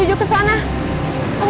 aku mau nikah sama jaka sekarang